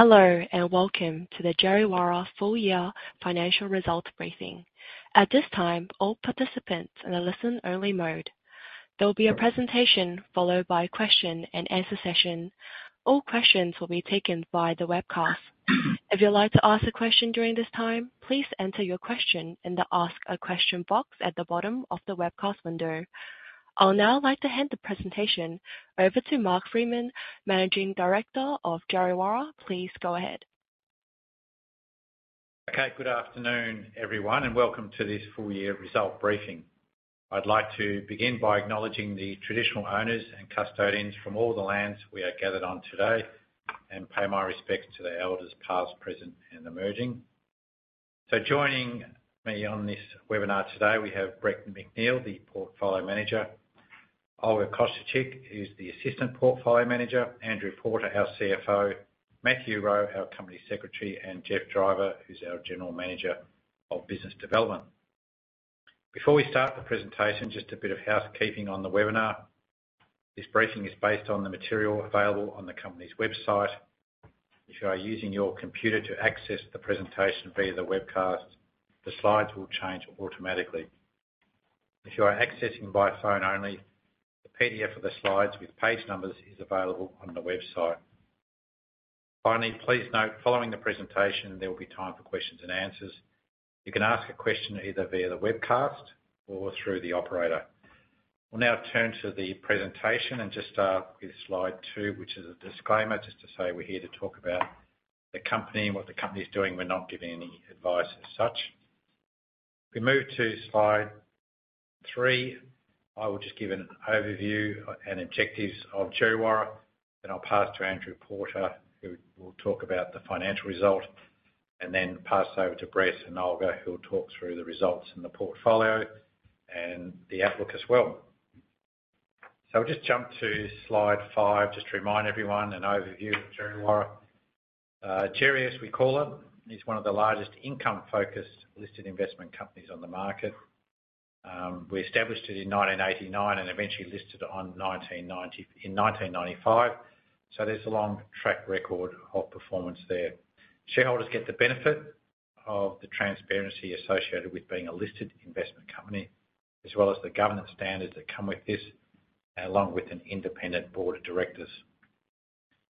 Hello and welcome to the Djerriwarrh financial results briefing. At this time, all participants are in listen-only mode. There will be a presentation followed by a question-and-answer session. All questions will be taken via the webcast. If you'd like to ask a question during this time, please enter your question in the Ask a Question box at the bottom of the webcast window. I would now like to hand the presentation over to Mark Freeman, Managing Director of Djerriwarrh. Please go ahead. Okay, good afternoon, everyone, and welcome to this full-year result briefing. I'd like to begin by acknowledging the traditional owners and custodians from all the lands we are gathered on today and pay my respects to their elders past, present, and emerging. So joining me on this webinar today, we have Brett McNeill, the Portfolio Manager; Olga Kosciuczyk, who's the Assistant Portfolio Manager; Andrew Porter, our CFO; Matthew Rowe, our Company Secretary; and Geoff Driver, who's our General Manager of Business Development. Before we start the presentation, just a bit of housekeeping on the webinar. This briefing is based on the material available on the Company's website. If you are using your computer to access the presentation via the webcast, the slides will change automatically. If you are accessing by phone only, the PDF of the slides with page numbers is available on the website. Finally, please note, following the presentation, there will be time for questions-and-answers. You can ask a question either via the webcast or through the operator. We'll now turn to the presentation and just start with slide two, which is a disclaimer just to say we're here to talk about the Company and what the Company is doing. We're not giving any advice as such. If we move to slide three, I will just give an overview and objectives of Djerriwarrh and I'll pass to Andrew Porter, who will talk about the financial result, and then pass over to Brett and Olga, who will talk through the results and the portfolio and the outlook as well. I'll just jump to slide five just to remind everyone an overview of Djerriwarrh; Djerri as we call it is one of the largest income-focused listed investment companies on the market. We established it in 1989 and eventually listed in 1995, so there's a long track record of performance there. Shareholders get the benefit of the transparency associated with being a listed investment company, as well as the governance standards that come with this, along with an independent board of directors.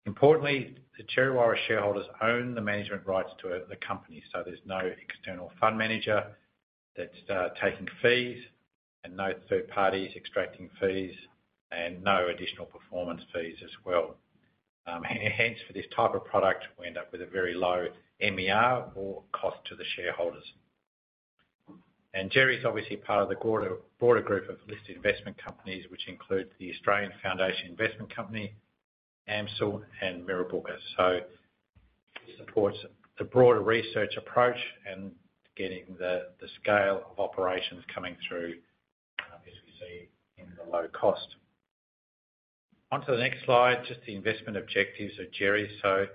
Importantly, the Djerriwarrh shareholders own the management rights to the Company, so there's no external fund manager that's taking fees and no third parties extracting fees and no additional performance fees as well. Hence, for this type of product, we end up with a very low MER or cost to the shareholders. Djerriwarrh is obviously part of the broader group of listed investment companies, which includes the Australian Foundation Investment Company, AMCIL, and Mirabooka. So it supports the broader research approach and getting the scale of operations coming through, as we see, in the low cost. Onto the next slide, just the investment objectives of Djerri. So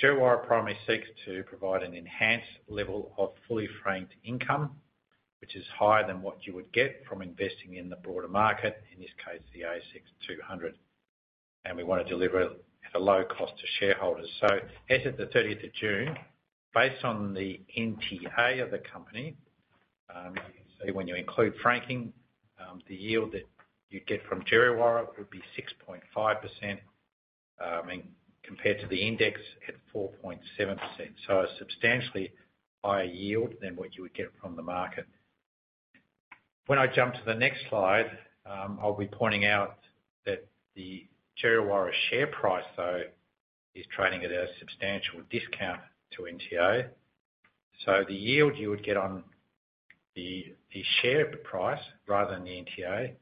Djerriwarrh primarily seeks to provide an enhanced level of fully-franked income, which is higher than what you would get from investing in the broader market, in this case, the ASX 200, and we want to deliver at a low cost to shareholders. So as of the June 30th, based on the NTA of the Company, you can see when you include franking, the yield that you'd get from Djerriwarrh would be 6.5% compared to the index at 4.7%, so a substantially higher yield than what you would get from the market. When I jump to the next slide, I'll be pointing out that the Djerriwarrh share price, though, is trading at a substantial discount to NTA, so the yield you would get on the share price rather than the NTA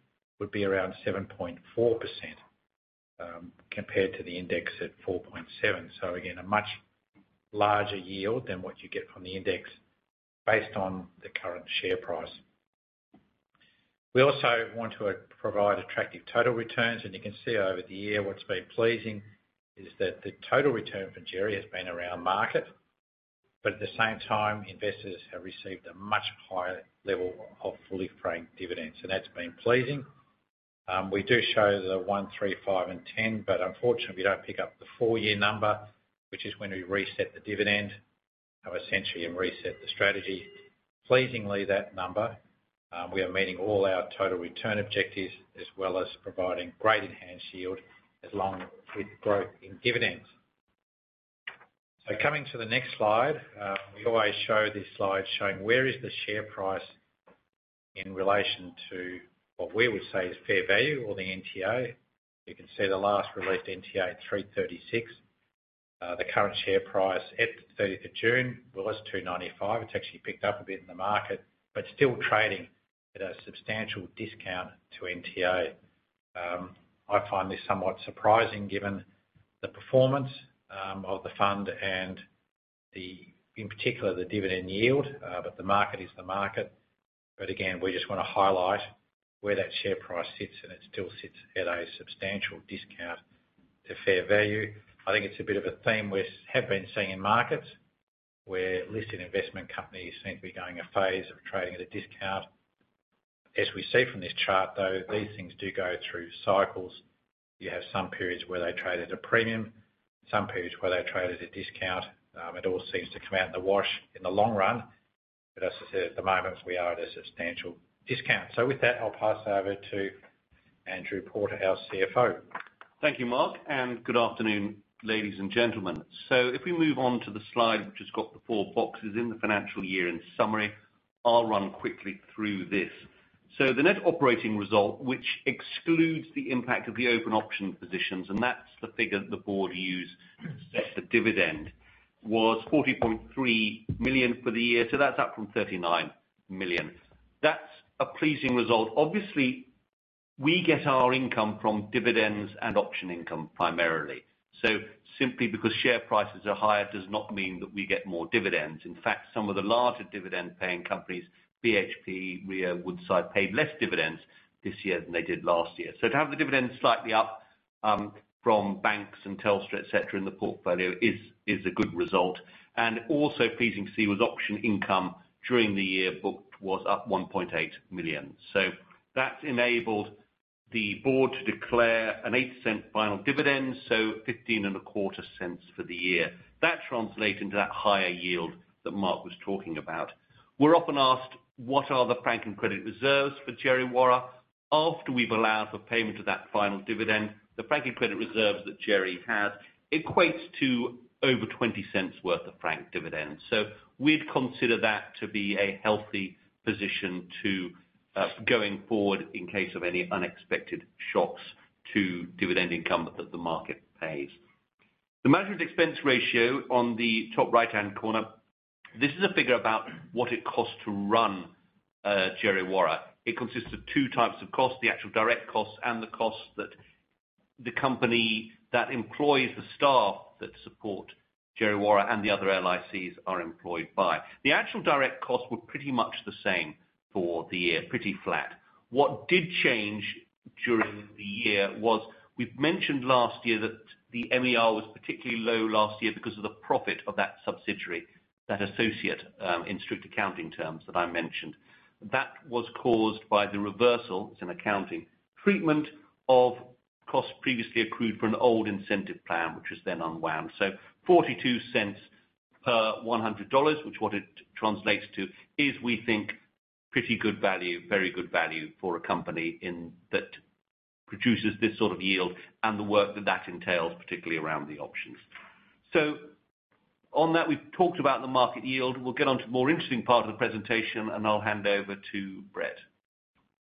would be around 7.4% compared to the index at 4.7%, so again, a much larger yield than what you get from the index based on the current share price. We also want to provide attractive total returns, and you can see over the year what's been pleasing is that the total return for Djerriwarrh has been around market, but at the same time, investors have received a much higher level of fully-franked dividends, and that's been pleasing. We do show the one, three, five, and 10, but unfortunately, we don't pick up the full-year number, which is when we reset the dividend, essentially, and reset the strategy. Pleasingly, that number, we are meeting all our total return objectives as well as providing great enhanced yield along with growth in dividends. So coming to the next slide, we always show this slide showing where is the share price in relation to what we would say is fair value or the NTA. You can see the last released NTA at 3.36. The current share price at the June 30th was 2.95. It's actually picked up a bit in the market, but still trading at a substantial discount to NTA. I find this somewhat surprising given the performance of the fund and, in particular, the dividend yield, but the market is the market. But again, we just want to highlight where that share price sits, and it still sits at a substantial discount to fair value. I think it's a bit of a theme we have been seeing in markets where listed investment companies seem to be going through a phase of trading at a discount. As we see from this chart, though, these things do go through cycles. You have some periods where they trade at a premium, some periods where they trade at a discount. It all seems to come out in the wash in the long run, but as I said, at the moment, we are at a substantial discount. With that, I'll pass over to Andrew Porter, our CFO. Thank you, Mark, and good afternoon, ladies and gentlemen. So if we move on to the slide which has got the four boxes in the financial year and summary, I'll run quickly through this. So the net operating result, which excludes the impact of the open option positions, and that's the figure the board used to set the dividend, was 40.3 million for the year, so that's up from 39 million. That's a pleasing result. Obviously, we get our income from dividends and option income primarily, so simply because share prices are higher does not mean that we get more dividends. In fact, some of the larger dividend-paying companies, BHP, Rio Tinto, Woodside, paid less dividends this year than they did last year. So to have the dividends slightly up from banks and Telstra, etc., in the portfolio is a good result. Also pleasing to see was option income during the year booked was up 1.8 million. So that's enabled the board to declare an 8% final dividend, so 0.1525 for the year. That translates into that higher yield that Mark was talking about. We're often asked, what are the franking credit reserves for Djerriwarrh? After we've allowed for payment of that final dividend, the franking credit reserves that Djerri has equates to over 0.20 worth of franked dividends. So we'd consider that to be a healthy position going forward in case of any unexpected shocks to dividend income that the market pays. The management expense ratio on the top right-hand corner, this is a figure about what it costs to run Djerriwarrh. It consists of two types of costs: the actual direct costs and the costs that the company that employs the staff that support Djerriwarrh and the other LICs are employed by. The actual direct costs were pretty much the same for the year, pretty flat. What did change during the year was we've mentioned last year that the MER was particularly low last year because of the profit of that subsidiary, that associate in strict accounting terms that I mentioned. That was caused by the reversal, it's an accounting treatment, of costs previously accrued for an old incentive plan, which was then unwound. So 0.42 per 100 dollars, which, what it translates to is, we think, pretty good value, very good value for a company that produces this sort of yield and the work that that entails, particularly around the options. So on that, we've talked about the market yield. We'll get on to the more interesting part of the presentation, and I'll hand over to Brett.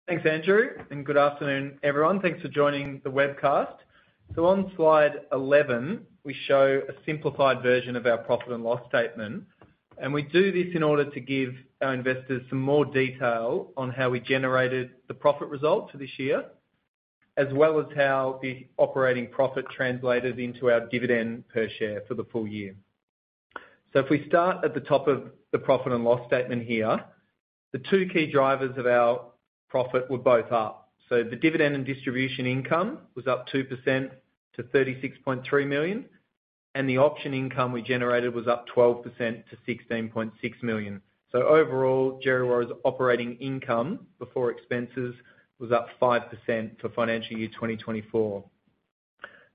Thanks, Andrew. And good afternoon, everyone. Thanks for joining the webcast. So on slide 11, we show a simplified version of our profit and loss statement, and we do this in order to give our investors some more detail on how we generated the profit result for this year, as well as how the operating profit translated into our dividend per share for the full year. So if we start at the top of the profit and loss statement here, the two key drivers of our profit were both up. So the dividend and distribution income was up 2% to 36.3 million, and the option income we generated was up 12% to 16.6 million. So overall, Djerriwarrh's operating income before expenses was up 5% for financial year 2024.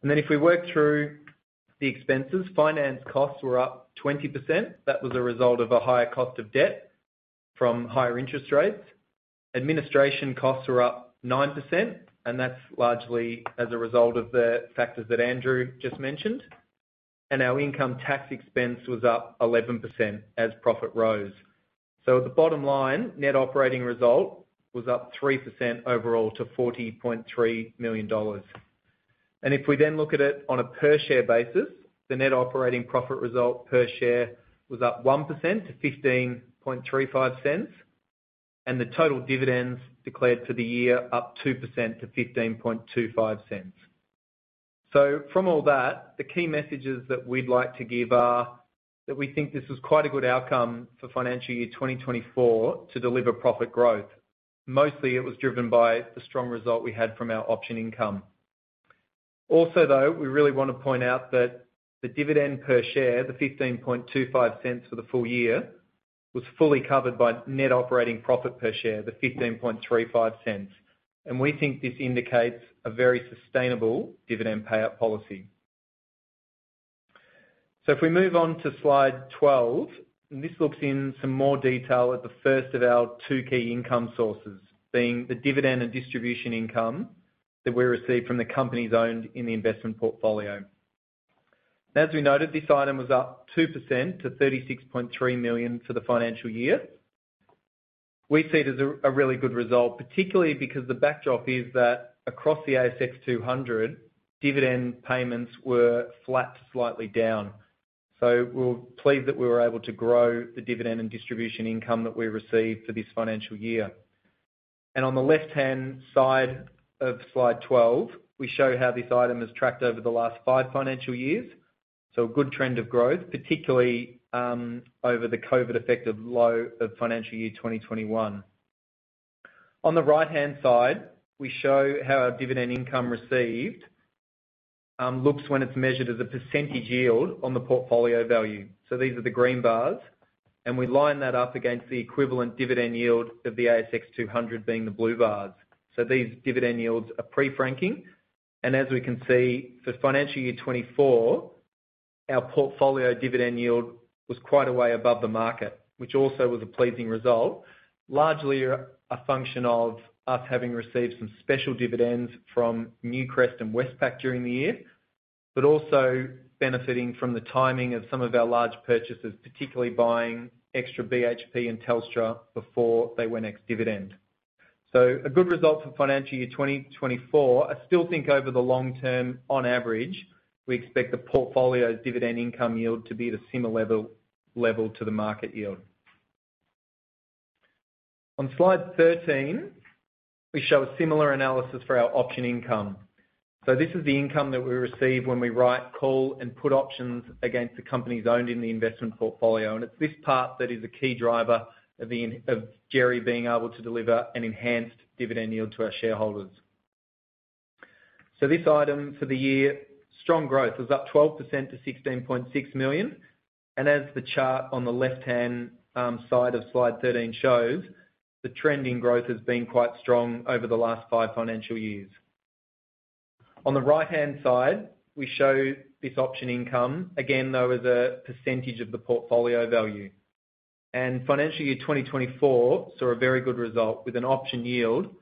And then if we work through the expenses, finance costs were up 20%. That was a result of a higher cost of debt from higher interest rates. Administration costs were up 9%, and that's largely as a result of the factors that Andrew just mentioned. Our income tax expense was up 11% as profit rose. At the bottom line, net operating result was up 3% overall to 40.3 million dollars. If we then look at it on a per-share basis, the net operating profit result per share was up 1% to 0.1535, and the total dividends declared for the year up 2% to 0.1525. From all that, the key messages that we'd like to give are that we think this was quite a good outcome for financial year 2024 to deliver profit growth. Mostly, it was driven by the strong result we had from our option income. Also, though, we really want to point out that the dividend per share, the 0.1525 for the full year, was fully covered by net operating profit per share, the 0.1535, and we think this indicates a very sustainable dividend payout policy. So if we move on to slide 12, this looks in some more detail at the first of our two key income sources, being the dividend and distribution income that we received from the companies owned in the investment portfolio. As we noted, this item was up 2% to 36.3 million for the financial year. We see it as a really good result, particularly because the backdrop is that across the ASX 200, dividend payments were flat to slightly down. So we're pleased that we were able to grow the dividend and distribution income that we received for this financial year. And on the left-hand side of slide 12, we show how this item has tracked over the last five financial years, so a good trend of growth, particularly over the COVID effect of financial year 2021. On the right-hand side, we show how our dividend income received looks when it's measured as a percentage yield on the portfolio value. So these are the green bars, and we line that up against the equivalent dividend yield of the ASX 200 being the blue bars. So these dividend yields are pre-franking, and as we can see, for financial year 2024, our portfolio dividend yield was quite a way above the market, which also was a pleasing result, largely a function of us having received some special dividends from Newcrest and Westpac during the year, but also benefiting from the timing of some of our large purchases, particularly buying extra BHP and Telstra before they went ex-dividend. So a good result for financial year 2024. I still think over the long term, on average, we expect the portfolio dividend income yield to be the similar level to the market yield. On slide 13, we show a similar analysis for our option income. So this is the income that we receive when we write call and put options against the companies owned in the investment portfolio, and it's this part that is a key driver of Djerri being able to deliver an enhanced dividend yield to our shareholders. So this item for the year, strong growth, was up 12% to 16.6 million, and as the chart on the left-hand side of slide 13 shows, the trend in growth has been quite strong over the last five financial years. On the right-hand side, we show this option income, again, though, as a percentage of the portfolio value, and financial year 2024 saw a very good result with an option yield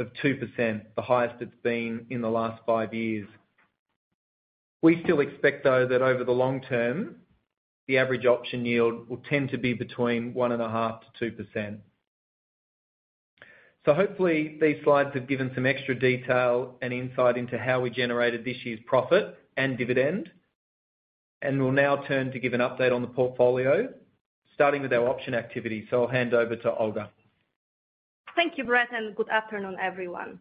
of 2%, the highest it's been in the last five years. We still expect, though, that over the long term, the average option yield will tend to be between 1.5%-2%. So hopefully, these slides have given some extra detail and insight into how we generated this year's profit and dividend, and we'll now turn to give an update on the portfolio, starting with our option activity. So I'll hand over to Olga. Thank you, Brett, and good afternoon, everyone.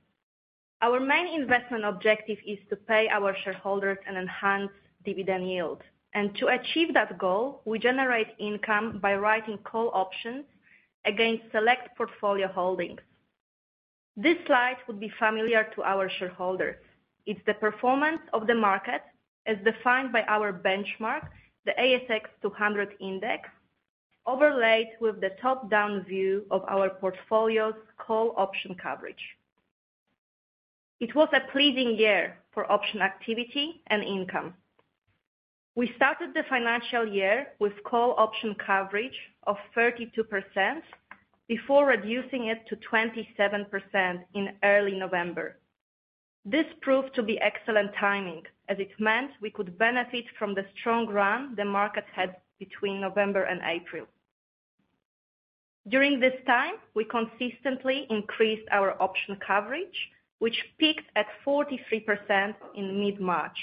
Our main investment objective is to pay our shareholders an enhanced dividend yield, and to achieve that goal, we generate income by writing call options against select portfolio holdings. This slide would be familiar to our shareholders. It's the performance of the market as defined by our benchmark, the ASX 200 Index, overlaid with the top-down view of our portfolio's call option coverage. It was a pleasing year for option activity and income. We started the financial year with call option coverage of 32% before reducing it to 27% in early November. This proved to be excellent timing, as it meant we could benefit from the strong run the market had between November and April. During this time, we consistently increased our option coverage, which peaked at 43% in mid-March.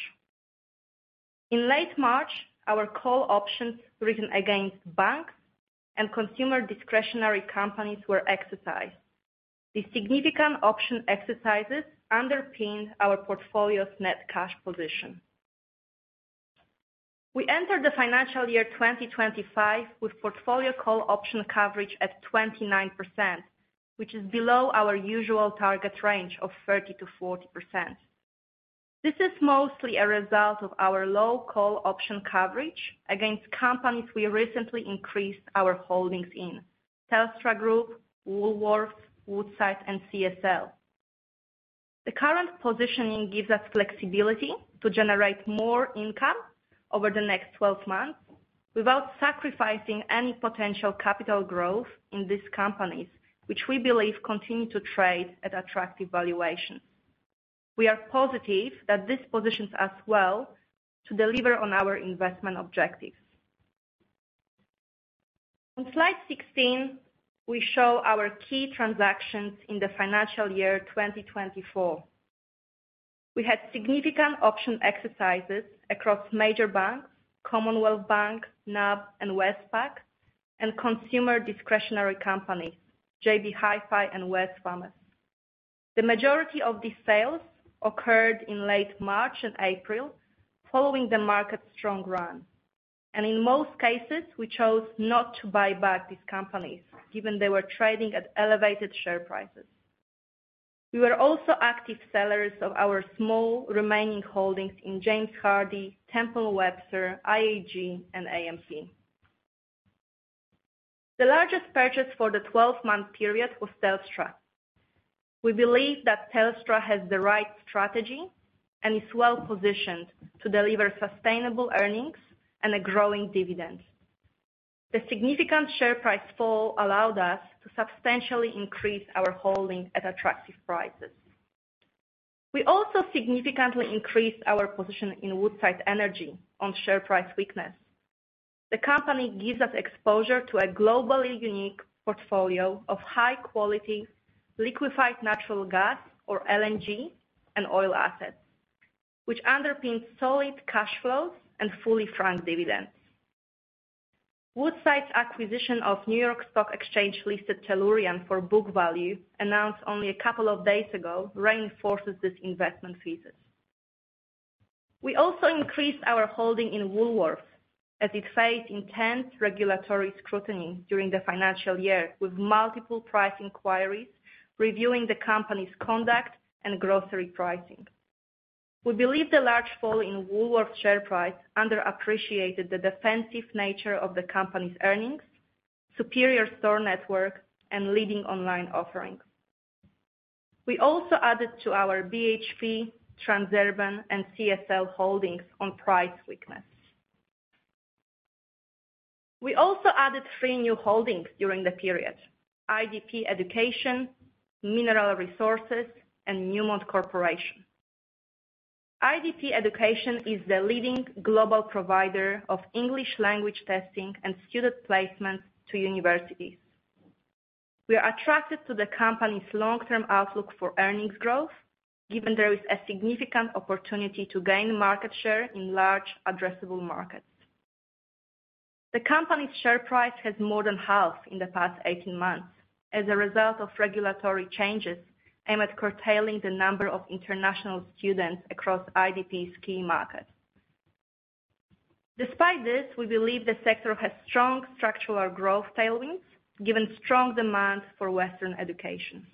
In late March, our call options written against banks and consumer discretionary companies were exercised. These significant option exercises underpinned our portfolio's net cash position. We entered the financial year 2025 with portfolio call option coverage at 29%, which is below our usual target range of 30%-40%. This is mostly a result of our low call option coverage against companies we recently increased our holdings in: Telstra Group, Woolworths, Woodside, and CSL. The current positioning gives us flexibility to generate more income over the next 12 months without sacrificing any potential capital growth in these companies, which we believe continue to trade at attractive valuations. We are positive that this positions us well to deliver on our investment objectives. On slide 16, we show our key transactions in the financial year 2024. We had significant option exercises across major banks: Commonwealth Bank, NAB, and Westpac, and consumer discretionary companies: JB Hi-Fi and Wesfarmers. The majority of these sales occurred in late March and April following the market's strong run, and in most cases, we chose not to buy back these companies given they were trading at elevated share prices. We were also active sellers of our small remaining holdings in James Hardie, Temple & Webster, IAG, and Amcor. The largest purchase for the 12-month period was Telstra. We believe that Telstra has the right strategy and is well-positioned to deliver sustainable earnings and a growing dividend. The significant share price fall allowed us to substantially increase our holdings at attractive prices. We also significantly increased our position in Woodside Energy on share price weakness. The company gives us exposure to a globally unique portfolio of high-quality liquefied natural gas, or LNG, and oil assets, which underpins solid cash flows and fully franked dividends. Woodside's acquisition of New York Stock Exchange-listed Tellurian for book value, announced only a couple of days ago, reinforces this investment thesis. We also increased our holding in Woolworths as it faced intense regulatory scrutiny during the financial year, with multiple price inquiries reviewing the company's conduct and grocery pricing. We believe the large fall in Woolworths' share price underappreciated the defensive nature of the company's earnings, superior store network, and leading online offerings. We also added to our BHP, Transurban, and CSL holdings on price weakness. We also added three new holdings during the period: IDP Education, Mineral Resources, and Newmont Corporation. IDP Education is the leading global provider of English language testing and student placements to universities. We are attracted to the company's long-term outlook for earnings growth, given there is a significant opportunity to gain market share in large, addressable markets. The company's share price has more than halved in the past 18 months as a result of regulatory changes aimed at curtailing the number of international students across IDP's key markets. Despite this, we believe the sector has strong structural growth tailwinds, given strong demand for Western education.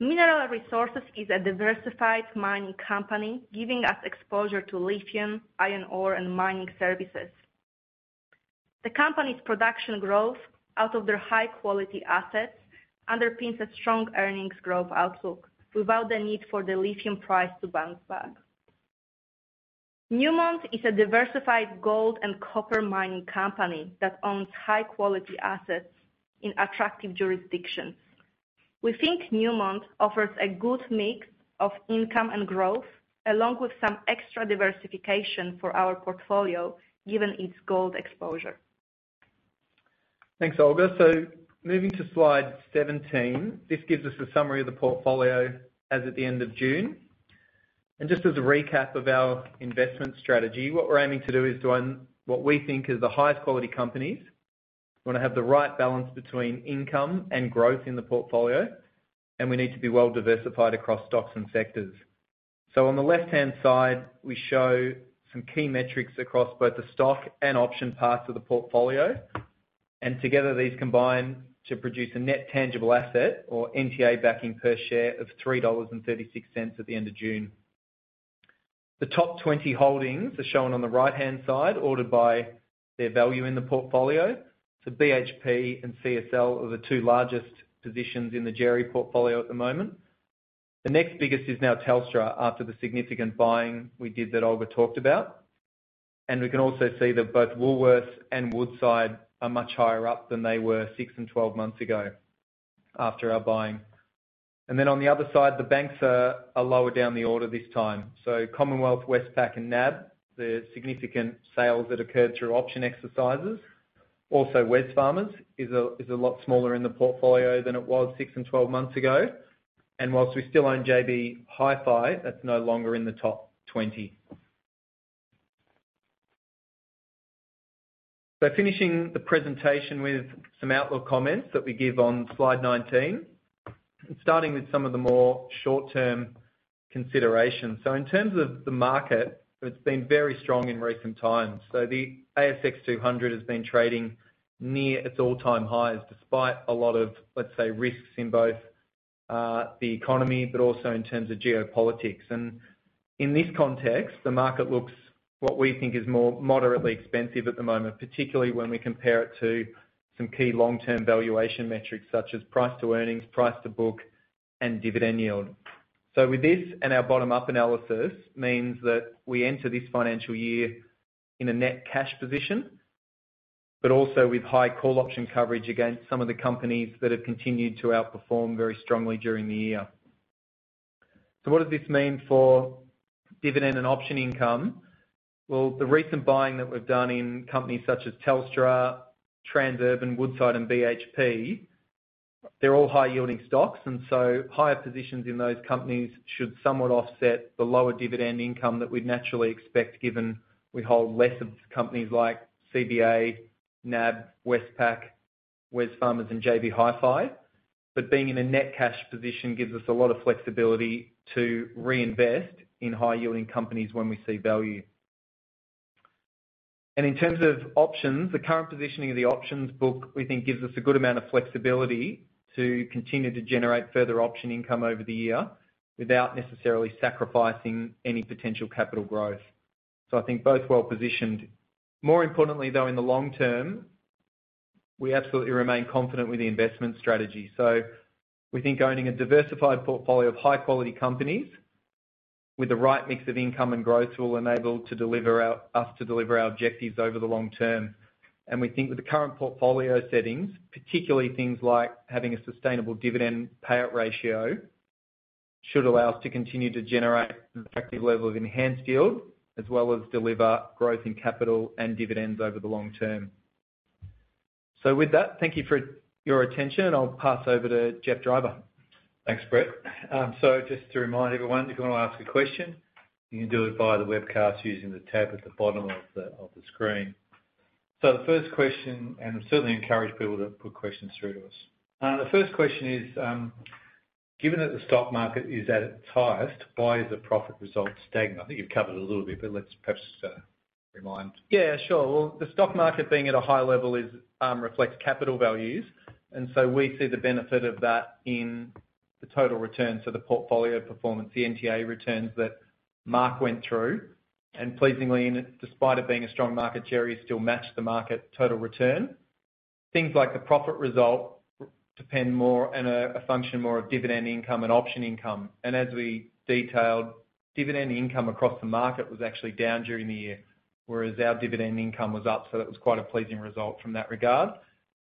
Mineral Resources is a diversified mining company, giving us exposure to lithium, iron ore, and mining services. The company's production growth out of their high-quality assets underpins a strong earnings growth outlook without the need for the lithium price to bounce back. Newmont is a diversified gold and copper mining company that owns high-quality assets in attractive jurisdictions. We think Newmont offers a good mix of income and growth, along with some extra diversification for our portfolio, given its gold exposure. Thanks, Olga. So moving to slide 17, this gives us a summary of the portfolio as of the end of June. And just as a recap of our investment strategy, what we're aiming to do is to own what we think are the highest-quality companies. We want to have the right balance between income and growth in the portfolio, and we need to be well-diversified across stocks and sectors. So on the left-hand side, we show some key metrics across both the stock and option parts of the portfolio, and together these combine to produce a net tangible asset, or NTA, backing per share of 3.36 dollars at the end of June. The top 20 holdings are shown on the right-hand side, ordered by their value in the portfolio. So BHP and CSL are the two largest positions in the Djerri portfolio at the moment. The next biggest is now Telstra after the significant buying we did that Olga talked about. And we can also see that both Woolworths and Woodside are much higher up than they were six and 12 months ago after our buying. And then on the other side, the banks are lower down the order this time. So Commonwealth, Westpac, and NAB, the significant sales that occurred through option exercises. Also, Wesfarmers is a lot smaller in the portfolio than it was six and 12 months ago. And whilst we still own JB Hi-Fi, that's no longer in the top 20. So finishing the presentation with some outlook comments that we give on slide 19, starting with some of the more short-term considerations. So in terms of the market, it's been very strong in recent times. So the ASX 200 has been trading near its all-time highs despite a lot of, let's say, risks in both the economy, but also in terms of geopolitics. In this context, the market looks what we think is more moderately expensive at the moment, particularly when we compare it to some key long-term valuation metrics such as price to earnings, price to book, and dividend yield. With this and our bottom-up analysis, it means that we enter this financial year in a net cash position, but also with high call option coverage against some of the companies that have continued to outperform very strongly during the year. So what does this mean for dividend and option income? Well, the recent buying that we've done in companies such as Telstra, Transurban, Woodside, and BHP, they're all high-yielding stocks, and so higher positions in those companies should somewhat offset the lower dividend income that we'd naturally expect given we hold less of companies like CBA, NAB, Westpac, Wesfarmers, and JB Hi-Fi. But being in a net cash position gives us a lot of flexibility to reinvest in high-yielding companies when we see value. And in terms of options, the current positioning of the options book, we think, gives us a good amount of flexibility to continue to generate further option income over the year without necessarily sacrificing any potential capital growth. So I think both well-positioned. More importantly, though, in the long term, we absolutely remain confident with the investment strategy. We think owning a diversified portfolio of high-quality companies with the right mix of income and growth will enable us to deliver our objectives over the long term. We think with the current portfolio settings, particularly things like having a sustainable dividend payout ratio, should allow us to continue to generate an attractive level of enhanced yield as well as deliver growth in capital and dividends over the long term. With that, thank you for your attention, and I'll pass over to Geoff Driver. Thanks, Brett. So just to remind everyone, if you want to ask a question, you can do it via the webcast using the tab at the bottom of the screen. So the first question, and we certainly encourage people to put questions through to us. The first question is, given that the stock market is at its highest, why is the profit result stagnant? I think you've covered it a little bit, but let's perhaps remind. Yeah, sure. Well, the stock market being at a high level reflects capital values, and so we see the benefit of that in the total returns to the portfolio performance, the NTA returns that Mark went through. Pleasingly, despite it being a strong market, Djerri still matched the market total return. Things like the profit result depend more and function more of dividend income and option income. As we detailed, dividend income across the market was actually down during the year, whereas our dividend income was up, so that was quite a pleasing result from that regard.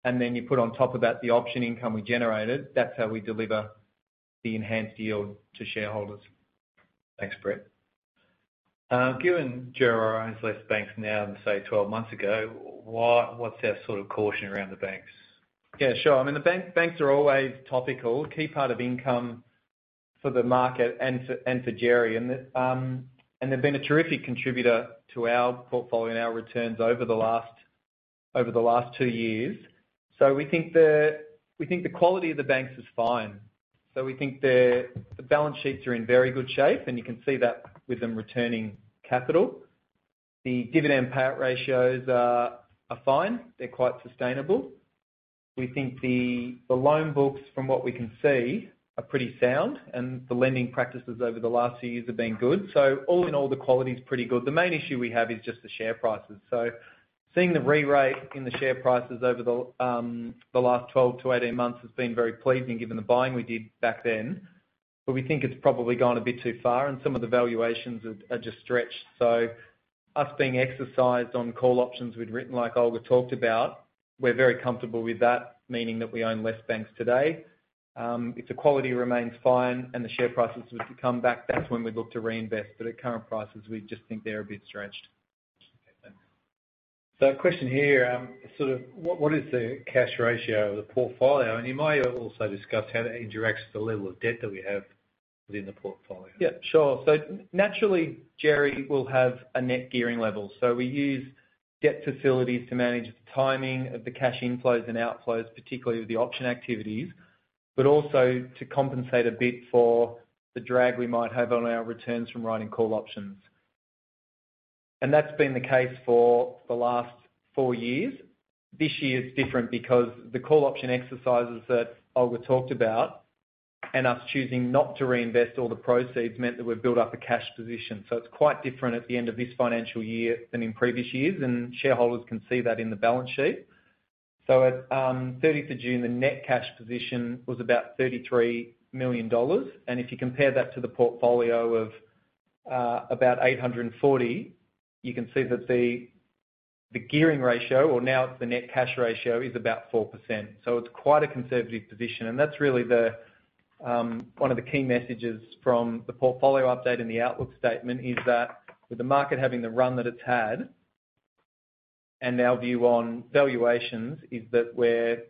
Then you put on top of that the option income we generated, that's how we deliver the enhanced yield to shareholders. Thanks, Brett. Given Djerriwarrh Investments banks now, say, 12 months ago, what's their sort of caution around the banks? Yeah, sure. I mean, the banks are always topical, a key part of income for the market and for Djerri. They've been a terrific contributor to our portfolio and our returns over the last two years. We think the quality of the banks is fine. We think the balance sheets are in very good shape, and you can see that with them returning capital. The dividend payout ratios are fine. They're quite sustainable. We think the loan books, from what we can see, are pretty sound, and the lending practices over the last few years have been good. All in all, the quality is pretty good. The main issue we have is just the share prices. Seeing the re-rating in the share prices over the last 12-18 months has been very pleasing given the buying we did back then. But we think it's probably gone a bit too far, and some of the valuations are just stretched. So us being exercised on call options we'd written, like Olga talked about, we're very comfortable with that, meaning that we own less banks today. If the quality remains fine and the share prices come back, that's when we'd look to reinvest. But at current prices, we just think they're a bit stretched. Okay, thanks. So a question here, sort of what is the cash ratio of the portfolio? And you might also discuss how that interacts with the level of debt that we have within the portfolio. Yeah, sure. So naturally, Djerri will have a net gearing level. So we use debt facilities to manage the timing of the cash inflows and outflows, particularly with the option activities, but also to compensate a bit for the drag we might have on our returns from writing call options. And that's been the case for the last four years. This year is different because the call option exercises that Olga talked about and us choosing not to reinvest all the proceeds meant that we've built up a cash position. So it's quite different at the end of this financial year than in previous years, and shareholders can see that in the balance sheet. So at June 30th, the net cash position was about 33 million dollars. If you compare that to the portfolio of about 840, you can see that the gearing ratio, or now it's the net cash ratio, is about 4%. It's quite a conservative position. That's really one of the key messages from the portfolio update and the outlook statement is that with the market having the run that it's had and our view on valuations is that we're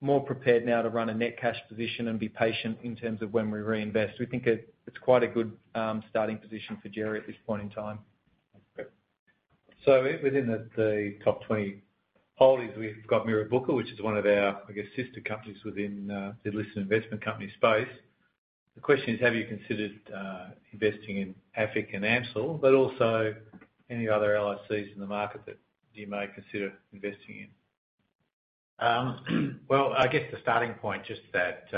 more prepared now to run a net cash position and be patient in terms of when we reinvest. We think it's quite a good starting position for Djerri at this point in time. So within the top 20 holdings, we've got Mirabooka, which is one of our, I guess, sister companies within the listed investment company space. The question is, have you considered investing in AFIC and AMCIL, but also any other LICs in the market that you may consider investing in? Well, I guess the starting point, just that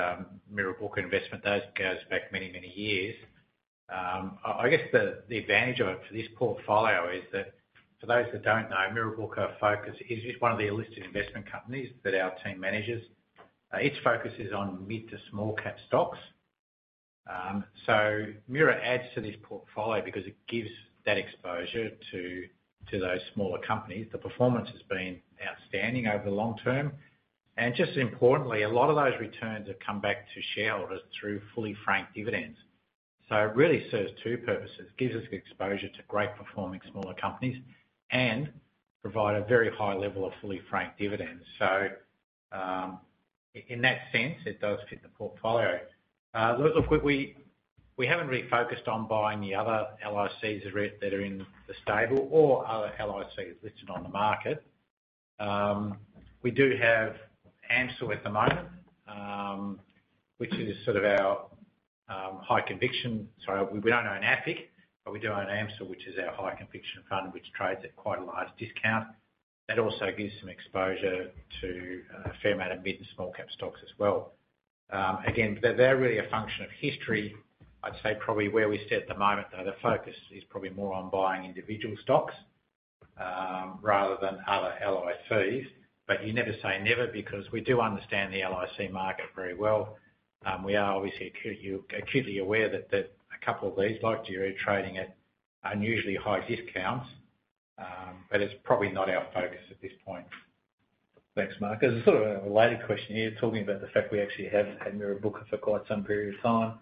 Mirabooka Investments goes back many, many years. I guess the advantage of it for this portfolio is that for those that don't know, Mirabooka is one of the listed investment companies that our team manages. Its focus is on mid- to small-cap stocks. So Mirabooka adds to this portfolio because it gives that exposure to those smaller companies. The performance has been outstanding over the long term. And just importantly, a lot of those returns have come back to shareholders through fully franked dividends. So it really serves two purposes. It gives us exposure to great-performing smaller companies and provides a very high level of fully franked dividends. So in that sense, it does fit the portfolio. Look, we haven't really focused on buying the other LICs that are in the stable or other LICs listed on the market. We do have AMCIL at the moment, which is sort of our high conviction. Sorry, we don't own AFIC, but we do own AMCIL, which is our high-conviction fund, which trades at quite a large discount. That also gives some exposure to a fair amount of mid and small-cap stocks as well. Again, they're really a function of history. I'd say probably where we sit at the moment, though, the focus is probably more on buying individual stocks rather than other LICs. But you never say never because we do understand the LIC market very well. We are obviously acutely aware that a couple of these, like Djerri, are trading at unusually high discounts, but it's probably not our focus at this point. Thanks, Mark. There's a sort of a related question here, talking about the fact we actually have had Mirabooka for quite some period of time.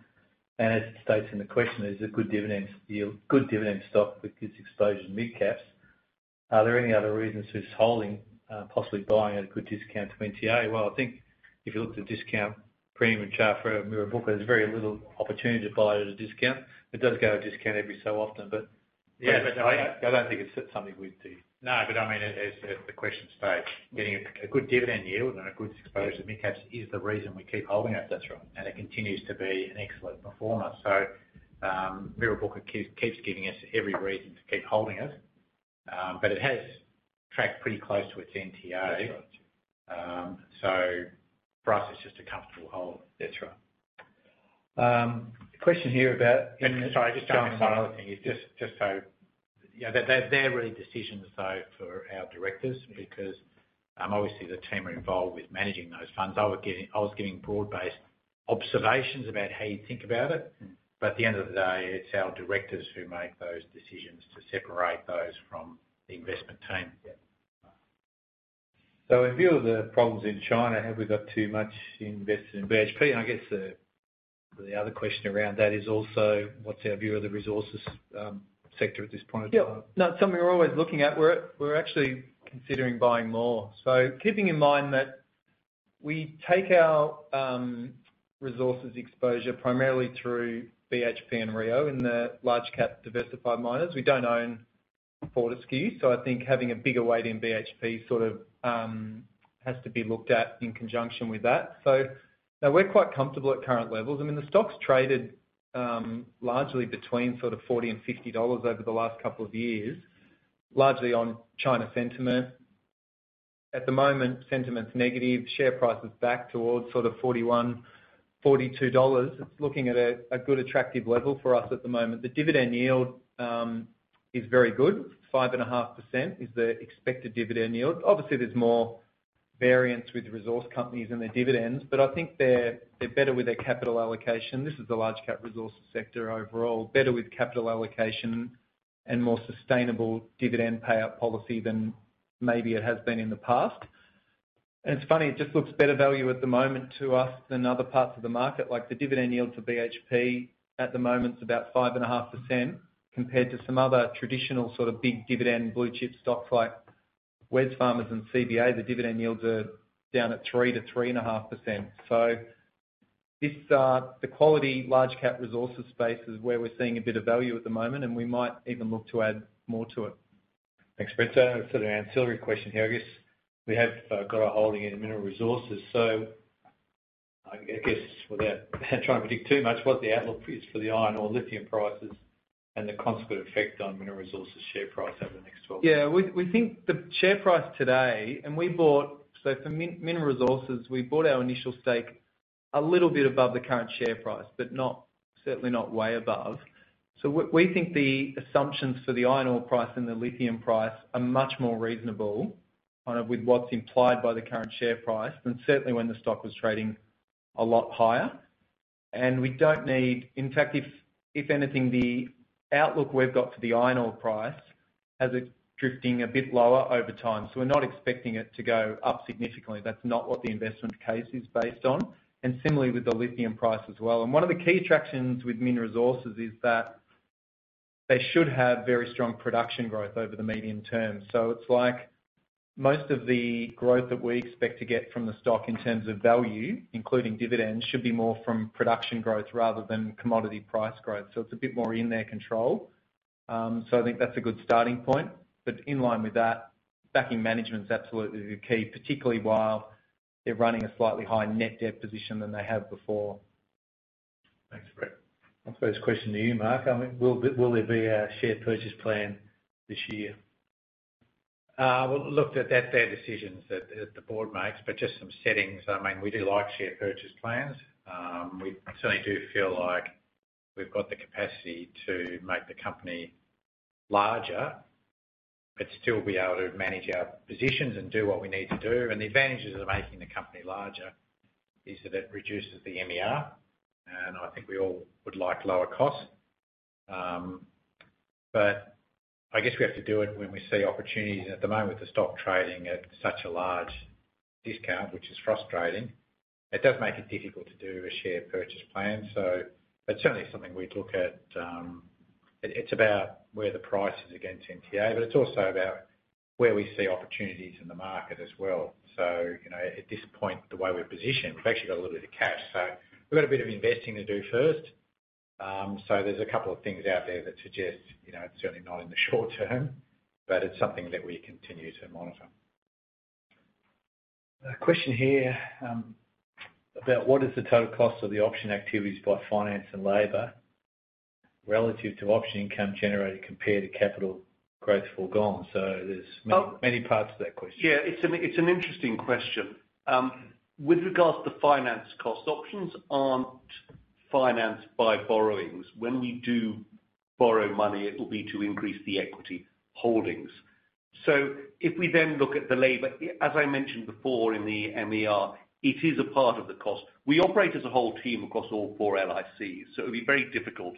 And as it states in the question, it's a good dividend stock with good exposure to mid-caps. Are there any other reasons for this holding, possibly buying at a good discount to NTA? Well, I think if you look at the discount premium chart for Mirabooka, there's very little opportunity to buy at a discount. It does go at a discount every so often, but yeah. Yeah, but I don't think it's something we'd do. No, but I mean, as the question states, getting a good dividend yield and a good exposure to mid-caps is the reason we keep holding it. That's right. It continues to be an excellent performer. Mirabooka keeps giving us every reason to keep holding it, but it has tracked pretty close to its NTA. That's right. So for us, it's just a comfortable hold. That's right. A question here about. Sorry, just jumping in on. One other thing is just so they're really decisions, though, for our directors because obviously the team are involved with managing those funds. I was giving broad-based observations about how you think about it, but at the end of the day, it's our directors who make those decisions to separate those from the investment team. So in view of the problems in China, have we got too much invested in BHP? And I guess the other question around that is also, what's our view of the resources sector at this point? Yeah. No, it's something we're always looking at. We're actually considering buying more. So keeping in mind that we take our resources exposure primarily through BHP and Rio in the large-cap diversified miners. We don't own Fortescue, so I think having a bigger weight in BHP sort of has to be looked at in conjunction with that. So we're quite comfortable at current levels. I mean, the stock's traded largely between sort of 40-50 dollars over the last couple of years, largely on China sentiment. At the moment, sentiment's negative. Share price is back towards sort of 41 dollars, 42 dollars. It's looking at a good attractive level for us at the moment. The dividend yield is very good. 5.5% is the expected dividend yield. Obviously, there's more variance with resource companies and their dividends, but I think they're better with their capital allocation. This is the large-cap resource sector overall, better with capital allocation and more sustainable dividend payout policy than maybe it has been in the past. It's funny, it just looks better value at the moment to us than other parts of the market. Like the dividend yield for BHP at the moment is about 5.5% compared to some other traditional sort of big dividend blue-chip stocks like Wesfarmers and CBA. The dividend yields are down at 3%-3.5%. The quality large-cap resources space is where we're seeing a bit of value at the moment, and we might even look to add more to it. Thanks, Brett. So sort of ancillary question here. I guess we have got a holding in Mineral Resources. So I guess without trying to predict too much, what the outlook is for the iron ore and lithium prices and the consequent effect on Mineral Resources share price over the next 12 months? Yeah. We think the share price today, and we bought so for Mineral Resources, we bought our initial stake a little bit above the current share price, but certainly not way above. So we think the assumptions for the iron ore price and the lithium price are much more reasonable kind of with what's implied by the current share price than certainly when the stock was trading a lot higher. And we don't need in fact, if anything, the outlook we've got for the iron ore price has it drifting a bit lower over time. So we're not expecting it to go up significantly. That's not what the investment case is based on. And similarly with the lithium price as well. And one of the key attractions with Mineral Resources is that they should have very strong production growth over the medium term. So it's like most of the growth that we expect to get from the stock in terms of value, including dividends, should be more from production growth rather than commodity price growth. So it's a bit more in their control. So I think that's a good starting point. But in line with that, backing management's absolutely the key, particularly while they're running a slightly higher net debt position than they have before. Thanks, Brett. I'll pose a question to you, Mark. I mean, will there be a share purchase plan this year? We'll look at their decisions that the board makes, but just some settings. I mean, we do like share purchase plans. We certainly do feel like we've got the capacity to make the company larger but still be able to manage our positions and do what we need to do. And the advantages of making the company larger is that it reduces the MER, and I think we all would like lower costs. But I guess we have to do it when we see opportunities. And at the moment, with the stock trading at such a large discount, which is frustrating, it does make it difficult to do a share purchase plan. But certainly, it's something we'd look at. It's about where the price is against NTA, but it's also about where we see opportunities in the market as well. At this point, the way we're positioned, we've actually got a little bit of cash. We've got a bit of investing to do first. There's a couple of things out there that suggest it's certainly not in the short term, but it's something that we continue to monitor. A question here about what is the total cost of the option activities by finance and labor relative to option income generated compared to capital growth forgone. So there's many parts to that question. Yeah. It's an interesting question. With regards to finance costs, options aren't financed by borrowings. When we do borrow money, it will be to increase the equity holdings. So if we then look at the labor, as I mentioned before in the MER, it is a part of the cost. We operate as a whole team across all four LICs. So it would be very difficult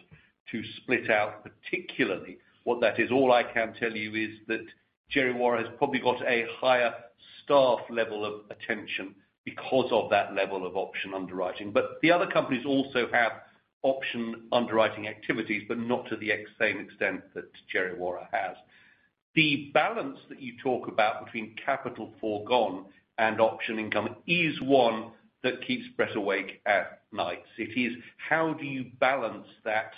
to split out particularly what that is. All I can tell you is that Djerriwarrh has probably got a higher staff level of attention because of that level of option underwriting. But the other companies also have option underwriting activities, but not to the same extent that Djerriwarrh has. The balance that you talk about between capital forgone and option income is one that keeps Brett awake at night. It is how do you balance that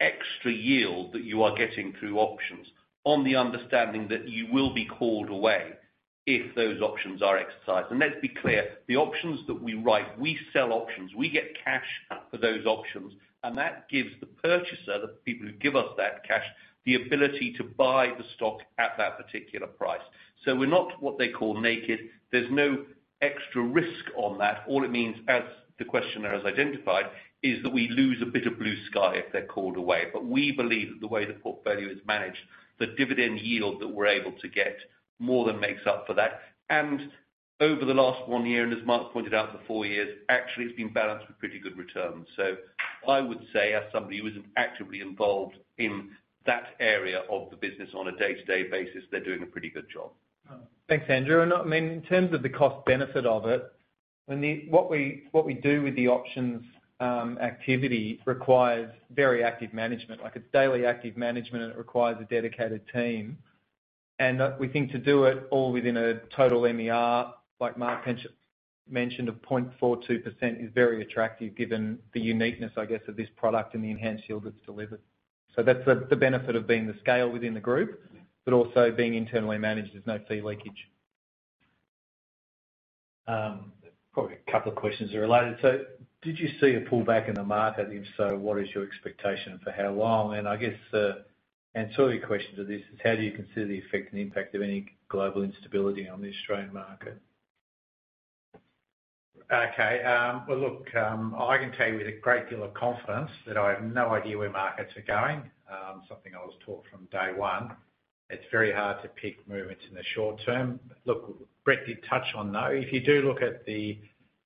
extra yield that you are getting through options on the understanding that you will be called away if those options are exercised. And let's be clear, the options that we write, we sell options. We get cash for those options, and that gives the purchaser, the people who give us that cash, the ability to buy the stock at that particular price. So we're not what they call naked. There's no extra risk on that. All it means, as the questioner has identified, is that we lose a bit of blue sky if they're called away. But we believe that the way the portfolio is managed, the dividend yield that we're able to get more than makes up for that. And over the last one year, and as Mark pointed out, the four years, actually, it's been balanced with pretty good returns. I would say, as somebody who isn't actively involved in that area of the business on a day-to-day basis, they're doing a pretty good job. Thanks, Andrew. I mean, in terms of the cost-benefit of it, what we do with the options activity requires very active management. It's daily active management, and it requires a dedicated team. And we think to do it all within a total MER, like Mark mentioned, of 0.42% is very attractive given the uniqueness, I guess, of this product and the enhanced yield it's delivered. So that's the benefit of being the scale within the group, but also being internally managed. There's no fee leakage. Probably a couple of questions are related. So did you see a pullback in the market? If so, what is your expectation for how long? And I guess the answer to your question to this is, how do you consider the effect and impact of any global instability on the Australian market? Okay. Well, look, I can tell you with a great deal of confidence that I have no idea where markets are going, something I was taught from day one. It's very hard to pick movements in the short term. Look, Brett did touch on, though, if you do look at the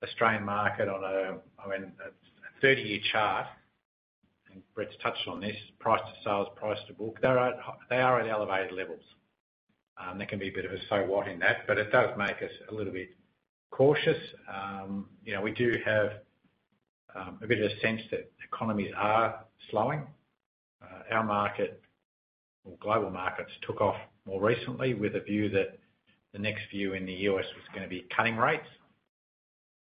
Australian market on a, I mean, a 30-year chart, and Brett's touched on this, price to sales, price to book, they are at elevated levels. There can be a bit of a so what in that, but it does make us a little bit cautious. We do have a bit of a sense that economies are slowing. Our market, or global markets, took off more recently with a view that the next view in the U.S. was going to be cutting rates.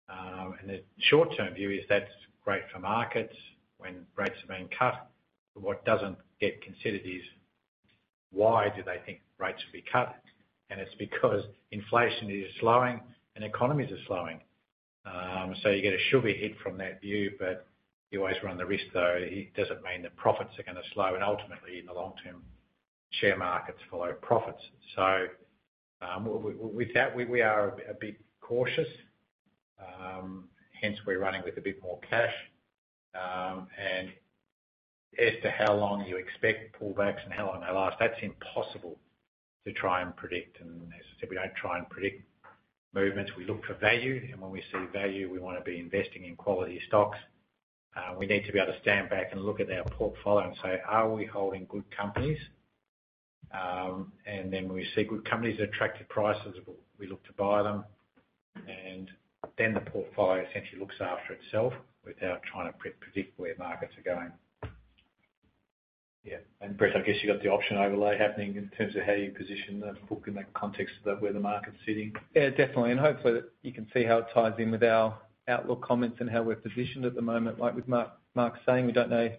And the short-term view is that's great for markets when rates are being cut. What doesn't get considered is why do they think rates will be cut? It's because inflation is slowing and economies are slowing. You get a sugar hit from that view, but you always run the risk, though. It doesn't mean the profits are going to slow. Ultimately, in the long term, share markets follow profits. With that, we are a bit cautious. Hence, we're running with a bit more cash. As to how long you expect pullbacks and how long they last, that's impossible to try and predict. As I said, we don't try and predict movements. We look for value. When we see value, we want to be investing in quality stocks. We need to be able to stand back and look at our portfolio and say: Are we holding good companies? When we see good companies at attractive prices, we look to buy them. The portfolio essentially looks after itself without trying to predict where markets are going. Yeah. And Brett, I guess you got the option overlay happening in terms of how you position the book in the context of where the market's sitting. Yeah, definitely. And hopefully, you can see how it ties in with our outlook comments and how we're positioned at the moment. Like with Mark saying, we don't know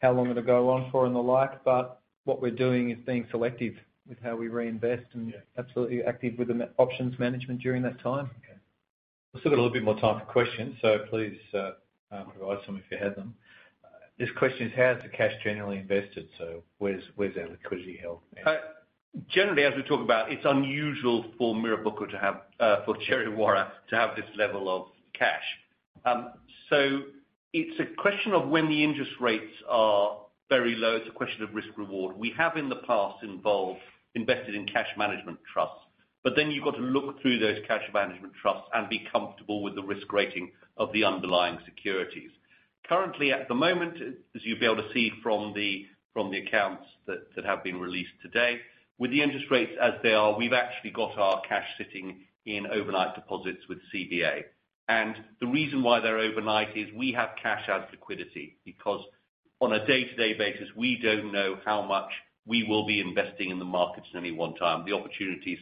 how long it'll go on for and the like, but what we're doing is being selective with how we reinvest and absolutely active with options management during that time. Okay. We've still got a little bit more time for questions, so please provide some if you have them. This question is, how is the cash generally invested? So where's our liquidity held? Generally, as we talk about, it's unusual for Djerriwarrh to have this level of cash. So it's a question of when the interest rates are very low. It's a question of risk-reward. We have in the past invested in cash management trusts, but then you've got to look through those cash management trusts and be comfortable with the risk rating of the underlying securities. Currently, at the moment, as you'll be able to see from the accounts that have been released today, with the interest rates as they are, we've actually got our cash sitting in overnight deposits with CBA. And the reason why they're overnight is we have cash as liquidity because on a day-to-day basis, we don't know how much we will be investing in the markets in any one time. The opportunities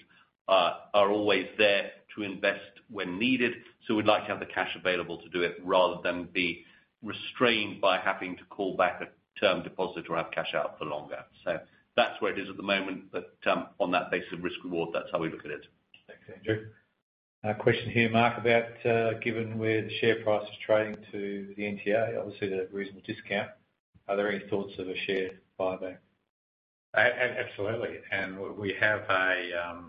are always there to invest when needed. So we'd like to have the cash available to do it rather than be restrained by having to call back a term deposit or have cash out for longer. So that's where it is at the moment. But on that basis of risk-reward, that's how we look at it. Thanks, Andrew. Question here, Mark, about given where the share price is trading to the NTA, obviously at a reasonable discount, are there any thoughts of a share buyback? Absolutely. We have a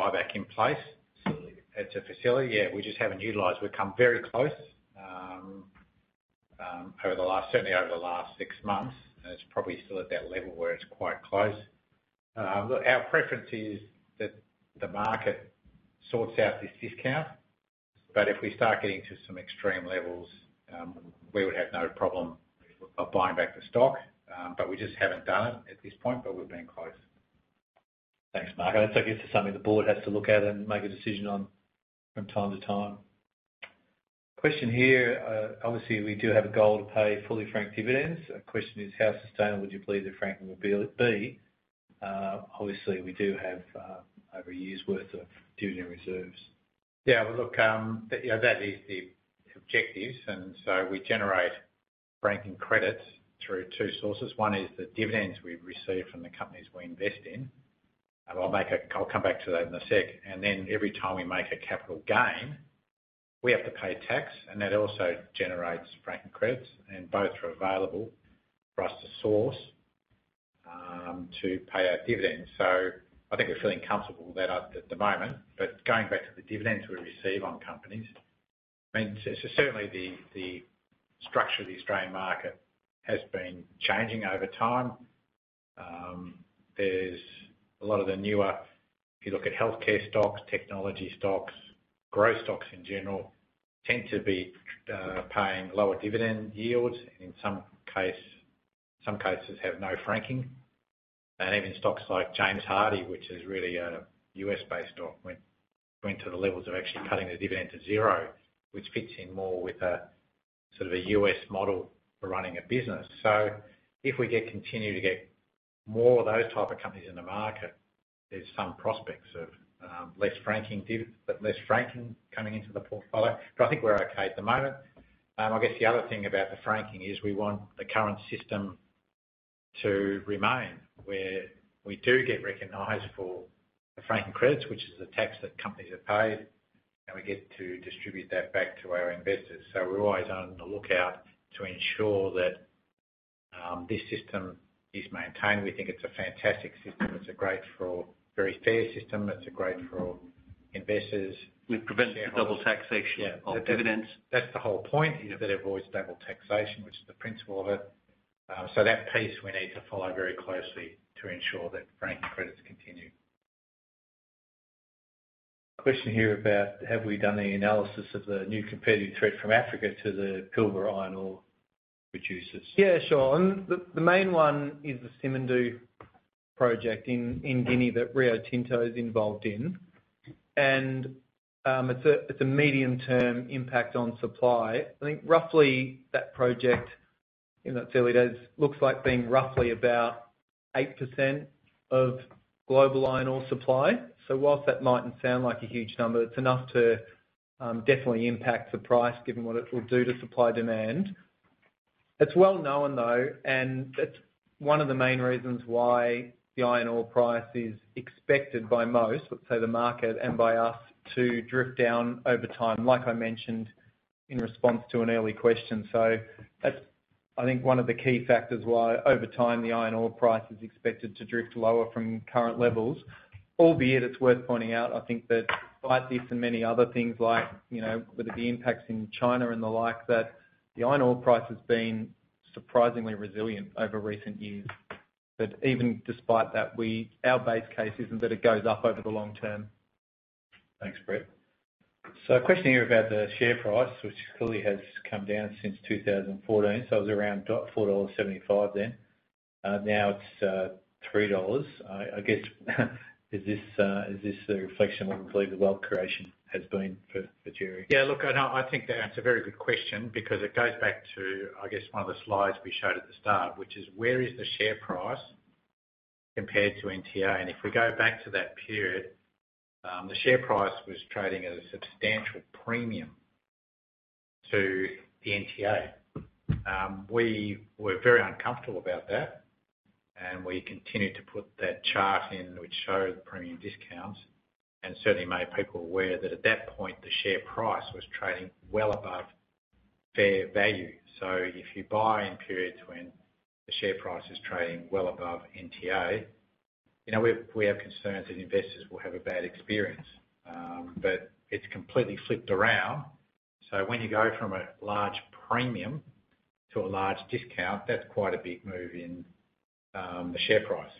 buyback in place. It's a facility. Yeah. We just haven't utilized. We've come very close over the last, certainly over the last six months. And it's probably still at that level where it's quite close. Look, our preference is that the market sorts out this discount. But if we start getting to some extreme levels, we would have no problem buying back the stock. But we just haven't done it at this point, but we've been close. Thanks, Mark. That's, I guess, something the board has to look at and make a decision on from time to time. Question here. Obviously, we do have a goal to pay fully franked dividends. The question is, how sustainable do you believe the franking will be? Obviously, we do have over a year's worth of dividend reserves. Yeah. Well, look, that is the objectives. And so we generate franking credits through two sources. One is the dividends we receive from the companies we invest in. And I'll come back to that in a sec. And then every time we make a capital gain, we have to pay tax. And that also generates franking credits. And both are available for us to source to pay our dividends. So I think we're feeling comfortable with that at the moment. But going back to the dividends we receive on companies, I mean, certainly the structure of the Australian market has been changing over time. There's a lot of the newer, if you look at healthcare stocks, technology stocks, growth stocks in general, tend to be paying lower dividend yields. And in some cases, have no franking. Even stocks like James Hardie, which is really a U.S.-based stock, went to the levels of actually cutting the dividend to zero, which fits in more with a sort of a U.S. model for running a business. So if we continue to get more of those types of companies in the market, there's some prospects of less franking coming into the portfolio. But I think we're okay at the moment. I guess the other thing about the franking is we want the current system to remain where we do get recognized for the franking credits, which is the tax that companies have paid. And we get to distribute that back to our investors. So we're always on the lookout to ensure that this system is maintained. We think it's a fantastic system. It's a great for very fair system. It's a great for investors. We prevent the double taxation of dividends. That's the whole point, is that avoid double taxation, which is the principle of it. So that piece we need to follow very closely to ensure that franking credits continue. Question here about, have we done the analysis of the new competitive threat from Africa to the Pilbara iron ore producers? Yeah, sure. The main one is the Simandou project in Guinea that Rio Tinto is involved in. It's a medium-term impact on supply. I think roughly that project, in that early days, looks like being roughly about 8% of global iron ore supply. So while that mightn't sound like a huge number, it's enough to definitely impact the price given what it will do to supply demand. It's well known, though. It's one of the main reasons why the iron ore price is expected by most, let's say the market, and by us to drift down over time, like I mentioned in response to an early question. So that's, I think, one of the key factors why over time the iron ore price is expected to drift lower from current levels. Albeit, it's worth pointing out, I think that despite this and many other things, like with the impacts in China and the like, that the iron ore price has been surprisingly resilient over recent years. Even despite that, our base case isn't that it goes up over the long term. Thanks, Brett. So a question here about the share price, which clearly has come down since 2014. So it was around 4.75 dollars then. Now it's 3 dollars. I guess, is this a reflection of what we believe the wealth creation has been for Djerriwarrh? Yeah. Look, I think that's a very good question because it goes back to, I guess, one of the slides we showed at the start, which is where is the share price compared to NTA? And if we go back to that period, the share price was trading at a substantial premium to the NTA. We were very uncomfortable about that. And we continued to put that chart in, which showed premium discounts. And certainly made people aware that at that point, the share price was trading well above fair value. So if you buy in periods when the share price is trading well above NTA, we have concerns that investors will have a bad experience. But it's completely flipped around. So when you go from a large premium to a large discount, that's quite a big move in the share price.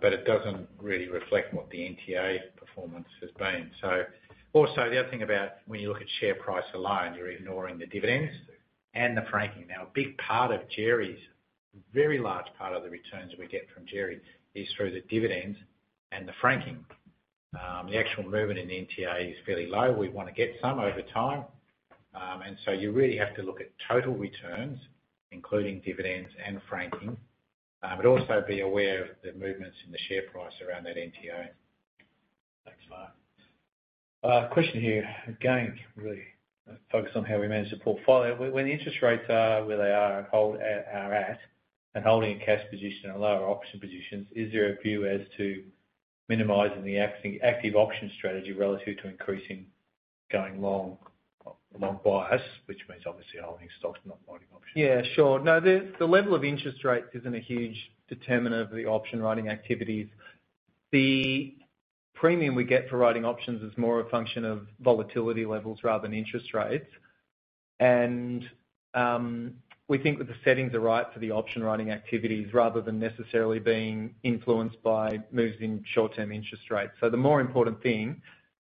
But it doesn't really reflect what the NTA performance has been. So also, the other thing about when you look at share price alone, you're ignoring the dividends and the franking. Now, a big part of Djerriwarrh's very large part of the returns we get from Djerriwarrh is through the dividends and the franking. The actual movement in the NTA is fairly low. We want to get some over time. And so you really have to look at total returns, including dividends and franking, but also be aware of the movements in the share price around that NTA. Thanks, Mark. Question here. Again, really focus on how we manage the portfolio. When interest rates are where they are at and holding a cash position and lower option positions, is there a view as to minimizing the active option strategy relative to increasing going long bias, which means obviously holding stocks, not writing options? Yeah, sure. No, the level of interest rates isn't a huge determinant of the option writing activities. The premium we get for writing options is more a function of volatility levels rather than interest rates. We think that the settings are right for the option writing activities rather than necessarily being influenced by moves in short-term interest rates. The more important thing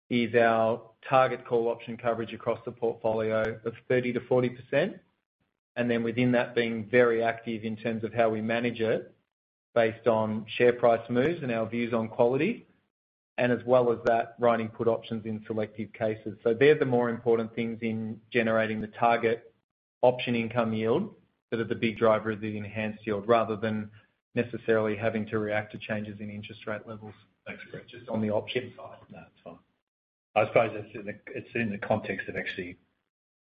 is our target call option coverage across the portfolio of 30%-40%. Then within that, being very active in terms of how we manage it based on share price moves and our views on quality, and as well as that, writing put options in selective cases. They're the more important things in generating the target option income yield that are the big driver of the enhanced yield rather than necessarily having to react to changes in interest rate levels. Thanks, Brett. Just on the option side. No, that's fine. I suppose it's in the context of actually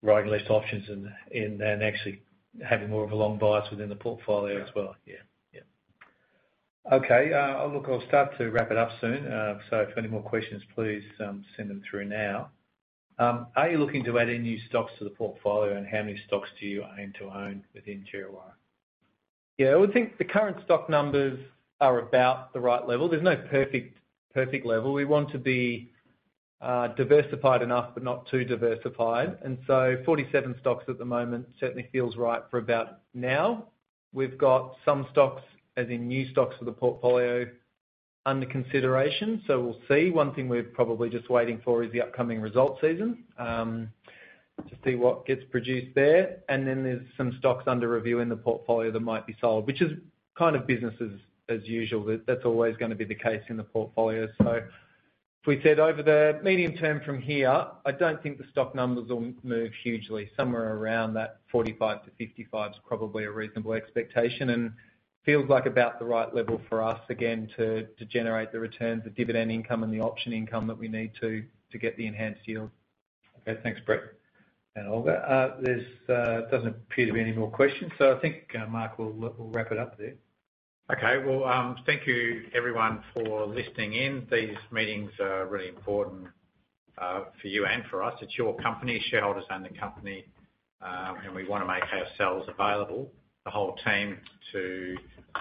writing less options and then actually having more of a long bias within the portfolio as well. Yeah. Yeah. Okay. Look, I'll start to wrap it up soon. So if you have any more questions, please send them through now. Are you looking to add any new stocks to the portfolio? And how many stocks do you aim to own within Djerriwarrh? Yeah. I would think the current stock numbers are about the right level. There's no perfect level. We want to be diversified enough, but not too diversified. And so 47 stocks at the moment certainly feels right for about now. We've got some stocks, as in new stocks for the portfolio, under consideration. So we'll see. One thing we're probably just waiting for is the upcoming results season to see what gets produced there. And then there's some stocks under review in the portfolio that might be sold, which is kind of business as usual. That's always going to be the case in the portfolio. So if we said over the medium term from here, I don't think the stock numbers will move hugely. Somewhere around that 45-55 is probably a reasonable expectation and feels like about the right level for us again to generate the returns, the dividend income, and the option income that we need to get the enhanced yield. Okay. Thanks, Brett. And Olga. There doesn't appear to be any more questions. I think Mark will wrap it up there. Okay. Well, thank you, everyone, for listening in. These meetings are really important for you and for us. It's your company, shareholders and the company. And we want to make ourselves available, the whole team, to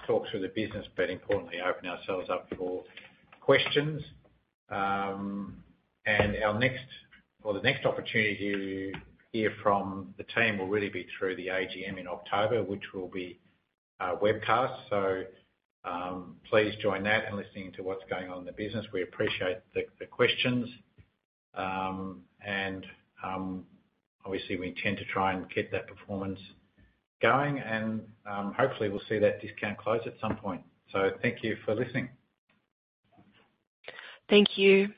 talk through the business, but importantly, open ourselves up for questions. And our next or the next opportunity to hear from the team will really be through the AGM in October, which will be a webcast. So please join that and listen to what's going on in the business. We appreciate the questions. And obviously, we intend to try and get that performance going. And hopefully, we'll see that discount close at some point. So thank you for listening. Thank you.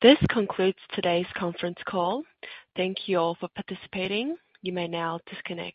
This concludes today's conference call. Thank you all for participating. You may now disconnect.